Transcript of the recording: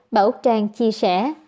bà úc trang chia sẻ